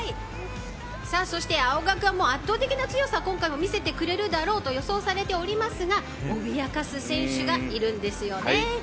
そして、青学は圧倒的な強さを今回も見せてくれるだろうと予想されておりますが脅かす選手がいるんですよね。